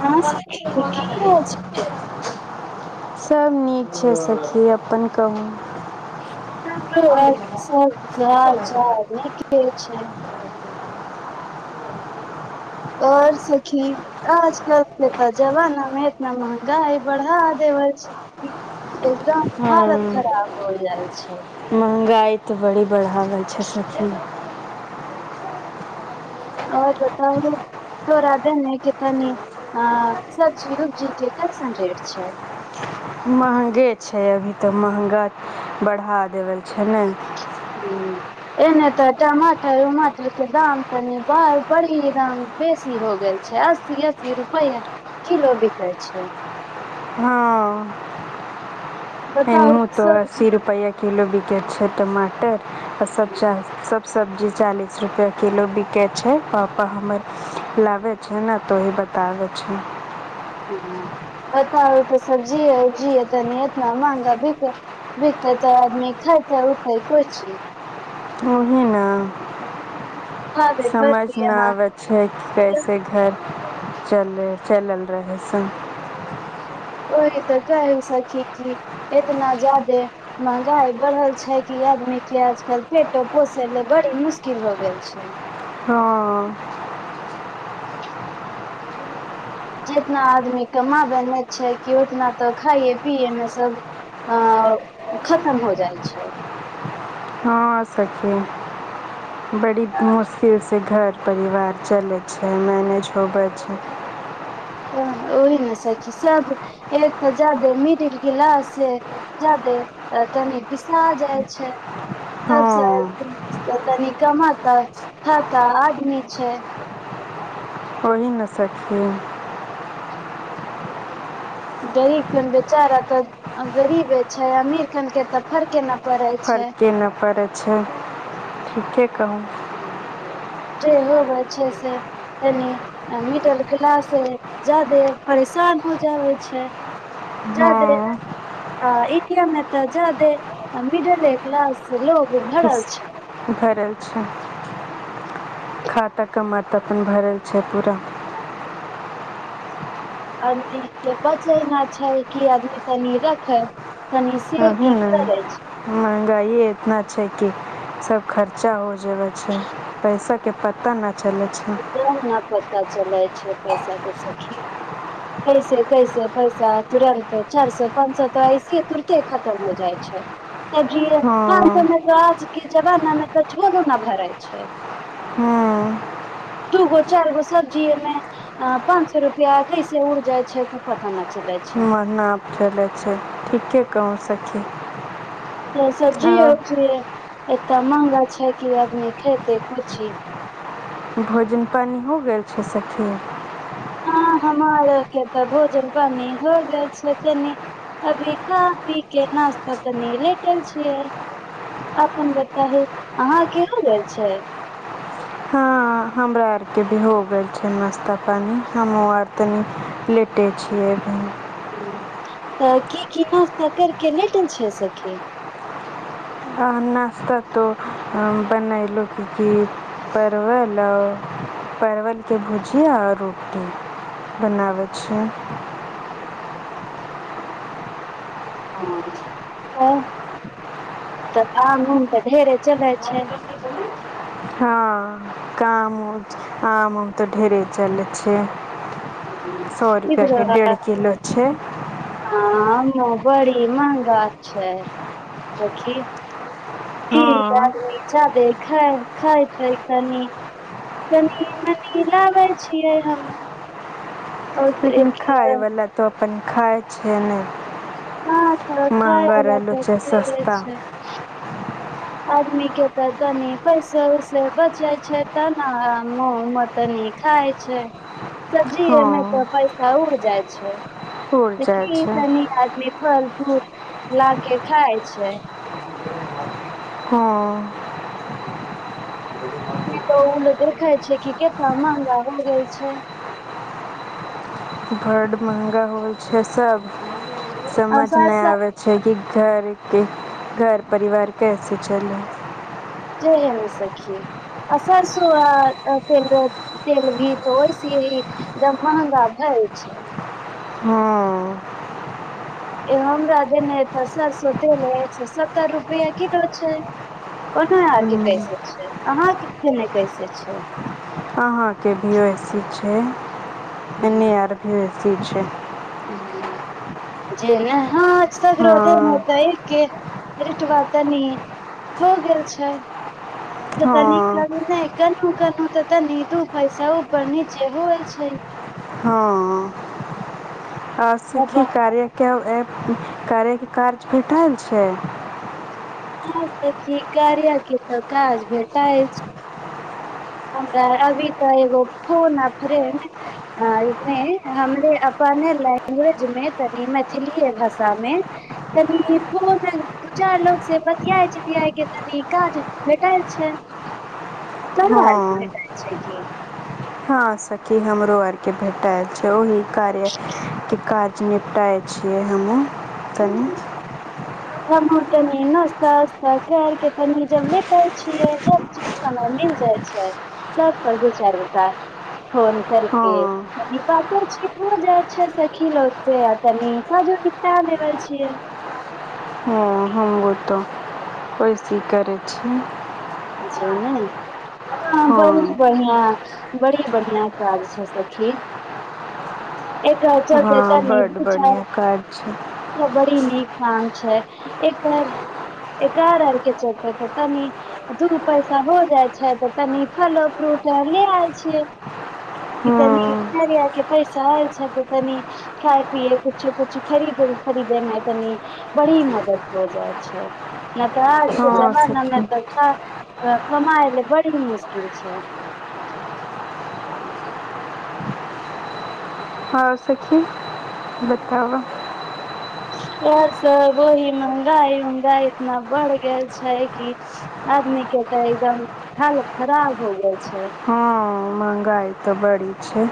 हँ सखी रोग की ध हाल छै सभ नीक छै सखी अपन कहू हमर ग झ न केे छै ओर सखी आजकल के तऽ जमाना मे इतना महँंगाइ बढ़ा देल एकदम हालत हँ खराब हो जाइ छै महँगाइ तऽ बड़ी बढ़ाबै छै सखि आओर बताउ तोरा देने कि तनी अ सब्जी उब्जी के कैसन रेट छै महंगे छै अभी तऽ महंगा बढ़ा देब हू एने तऽ टमाटर उमाटर के दाम तनि ब बड़ी दाम बेसी हो गेल अस्सी अस्सी रुपैआ किलो बिकै छै हँ बताउ ओ तऽ सब्जी अस्सी रुपैया किलो बिकै छै टमाटर आओ सब सब्जी चालिस रुपैआ किलो बिकै छै पापा हमर लाबे छै ने त ओहे बताब छै ह तऽ सब्जी उब्जी तनि एतना महगा बिके बिकतय तऽ आदमी खतय उतैय कथि ओही ने खाबे समझ पड़तै नहि अहाँ आबै छै कि कैसे घर चल चलल रह सन ओह तऽ कहहि सखी की एतना जादे महगांई बढ़ल छै कि आदमी के आजकल पेटो पोसे ले बड़ी मुश्किल हो गेलई छै हँ जितना आदमी कमाबै मे छै कि उतना तऽ खाइए पियए मे सब अ खतम हो जाइ छै हँ सखी बड़ी मुश्किल से घर परिवार चलैत छै मैनेज होबै छै ह ह ओहि ने सखि सब एक तऽ जादे मिडिल क्लास से जादे तनि पीसा जाइ छै त हँ स त तनी कमाता खाता आदमी छै न सखी गरीब खन बेचारा तऽ गरीबे छै अमीर खन के तऽ फरके ना फर्के नहि पड़ै छै ठीके कहू जे होब छै से कनि मिडल क्लासे ज्यादा परेशान हो जाबे छै ज्यादे हँ आ किया मे तऽ जादे मिडल क्लास लोग भरल इस- छै भरल खाता क मार तऽ अपन भरल छै पूरा आदमी के बचे ना छै कि आदमी तनी रखै ओहि नहि महंगाई एतना छय कि सब खर्चा हो जेबे छै पैसा के पता नहि ना पता चलै छै पैसा के सखि कैसे कैसे पैसा तुरन्त चार सौ पाँच शौ तऽ ऐसे तुरते खतम हो जाइ छै त काम तमे हँ आजके जमानाामे त झोल न भराय छै ह्म दूगो चार गो सब्जी मे पांच सौ रुपआ कैसे उड़ जाय छै तऽ पता न चले छै महना खेले छै ठीके कह सखी ह सब्जी य आओर की एते महंगा छै कि आदमी खेते कुछी भोजन पानि हो गेल छै सखी हँ हमर के तऽ भोजन पानी हो गेल छै तनी अभी तऽभी केनास तनी ले के छियै आपन बताबु अहाँ केहा गेल छै हँ हमरा आर के भी हो गेल छै नास्ता पानी हमो आर तनी लेटे छीये त तऽ की की नस्ता केर के लेटल छिये सखी आ नाश्ता तऽ बनयलहुँ कि कि परवल आओ परवलके भुजिया आओर रोटी बनाबै छियै हँ त तऽ आम उम तऽ ढेरे चलै छै हँ काम आम तऽ ढेरे चले छै सौ र रुपैआके डेढ़ किलो छै आ आ बड़ी मेहंगा छै देखी हँ आदमि जायंदे खाय खायते तनी तनी मनी लाबै छियै हम और लेकिन एक खायवला तो अपन खाय छै ने हँ तऽ खाय महंगा बला रहलो त छै सस्ता छै आदमी के तऽ तनी पैसे उसे बचे छै त ने तनी खाय छै सब्जी एमे हाँ तऽ पैसा उड़ जाइ छै उड़ जाय देखिन छै सनी आदमी फल फूल ला के खाय छै हँ ई त ओल देखाय छै कि केतना महंगा हो गेल छै [unintelligible] बड महंगा होइ छै सब आ समझ नहि सरसा आबे छै कि घरके घर परिवार कैसे चलै जमे सखी असर श आल भी त होइ स जम्म महंगा भैय छै हँ ए हम राजधे नेसर सोत ल एक सए सत्तर रुपआ किलो छै ओना आरके कैसे छै अहाके खने कैसे छै अहाँके वी ए सी छै N A R V A C छै जे ने हँ आजकल्रोधे होत हाँ ह टवा तनी हो गेल छै तनी हाँ कह क के त तऽ नी दू पैसापर न जे होइ छै हँ आ सिखी बाबा कार्य के प करैके काज भेटल छै ह सब की कार्या के त काज भेटाय अछि ह हमरा अभी तऽ एगो फोन आ फ्रेंड हमरे अपन लैंग्वेज मे तनि मैथिलीऐ भाषा मे तनि दू चार लोग से बतिया जतिया के तनी काज भेटल छै कर आ के हाँ अ क हँ सखी हमरो आर के भेटल छै ओहि कार्या के कार निपटाइ छियै हमहूँ कनी हमहुँ तनी नस्ता उस्ता कर के तनी जब लेटे छिये जब समय ले छै त दू चार तका फोन करके हँ बात चीज हो जाय छै सखी लोक से तनी काजो कितना देबे छियै ओ तऽ ओइसी करै छी ने ह बढ़ हँ बढ़िआँ बड़ी बढ़िआँ काज छै सखी एक हर पता हँ न बड्ड बढ़िआँ काज छै च बड़ी नीक म छै एकर एक आर आरके चलतै तऽ तनी [unintelligible] दू पैसा हो जाइ छै तऽ तनी फलो फ्रूट आर ले आइ छियै ई तनी हँ कार्या के पैसा हो छै तऽ तनि खाय पियए कुछु कुछु खरीद खरीदेमे तनि ब बड़ी मदद हो जाइ छै नहि तऽ आज के हँ जमाना मे सखी तऽ कमाए ले बड़ी मुशकिल छै हँ सखी बताब इहे सब वही महंगाई उंगाई इतना बढ़ गेल छै कि आदमी कहताै एकदम हालत खराब हो गए हँ महंगाई तऽ बड़ी छै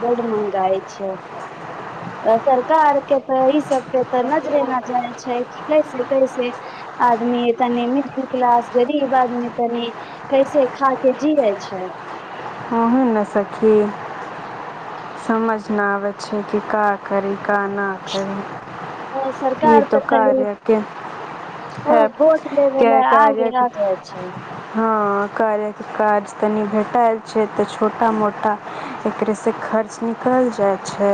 बड मंहगाइ छै सरकार के तऽ ई सब पे तऽ नजरे न जाइ छै कि कैसे कैसे आदमी तनि मिडिल क्लास गरीब आदमी तनि कैसे खा के जीेए छै ह ह हू न सखी समझ न आबे छै कि का करी का न करि ई सरकार तो तऽ खाली कार्या के वोट लेबे क ले आगे कार्या आ जाय छै हँ कार्या के काज तनी भेटाएल छै तऽ छोटा मोटा एकरेसँ खर्च निकल जाइ छै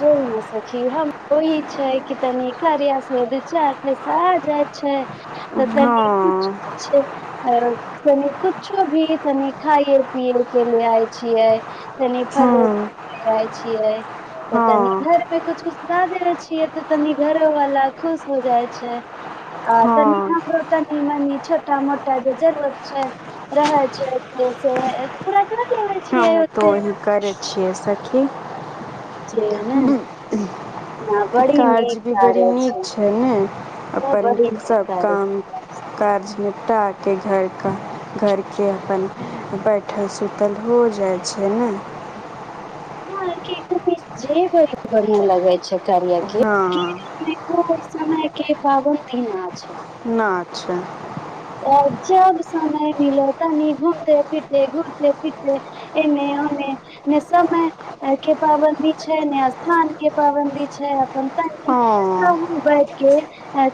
जेही न सखी हम ई छै कि तनी कार्या से दू चार पैसा आ जाइ छै तऽ तनी हँ, कुछो छै आओर तनी कुछो भी तनी खाइए पियए के ले आय छियै तनी जाइ छियै तऽ तनी घर पे कुछ कुछ ला देेवै छियै तऽ तनी घरोवाला खुश हो जाइ छै आ तनी हमहूँ हमरो तनी मनी छोटा मोटा जे जरूरत छै रहै छै से से पूरा कर लेबे हम छियै तऽ ओते वही करै छियै सखी जी ने ना बड़ी काज नीक भी बड़ी कार्य नीक छै ने अपन बड़ी नीक सभ कार्य काम कार्य निपटाके घरके घरके अपन बैठल सुतल हो जाइ छै ने कर बढ़ियां लगै छै [unintelligible] के कि हँ एखने कोइ समयके पाबन्दी न छै न छै आ जब समय मिलो तनी घूमते फिरते घूमते फिरते एने ओने ने समय के पाबन्दी छै ने स्थान के पाबन्दी छै अपन तनी तऽ हम बैठ के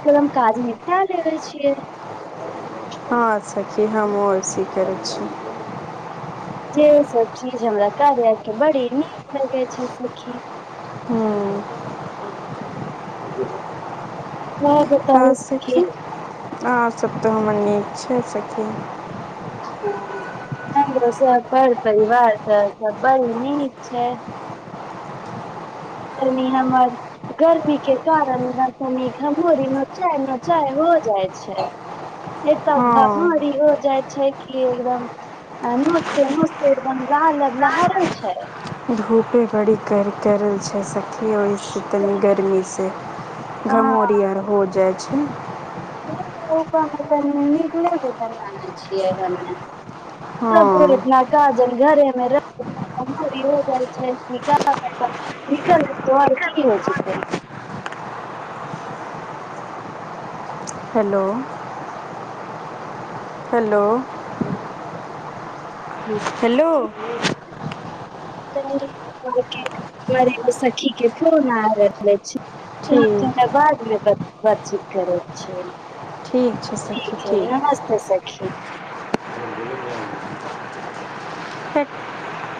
काम काज निपटा लेबै छियै हँ सखी हमहुँ ओसही करै छी जे सब चीज हमरा कार्या के बड़ी नीक लगै छै सखी हूँ कै बेर [unintelligible] हँ सखी अहाँ सब तऽ हमर नीक छै सखी हमरो सब पर परिवार तऽ सब बड़ नीक छै तनि हमर गर्मी के कारण इहाँ तनि घमौरी नोचाय नोचाय हो हो जाइ छै एता घमौरी हँ हो जाइ छै कि एकदम आ नोचते नोचते एकदम लाल लहरे छै धूपे बड़ी करकरैल छै सखी ओहिसँ तनी गरमीसँ घमौरी आर हो जाइ छै न छियै हमे [unintelligible] तब बोल हँ एतना का जानि घरमे रहेके घमोरी हो जाइ छै निका निकल कि हेतै [unintelligible] होइछै तऽ [inaudible] हेलो हेलो हेलो तनी के करैले सखी के फोन आ रहलै छी तऽ हम ठीक जौना बादमे बात बातचीत करैत छियै ठीक छै ठीक सखी छै नमस्ते सखी हट [inaudible]